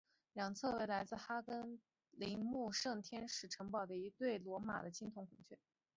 两侧为来自哈德良陵墓圣天使城堡的一对罗马的青铜孔雀。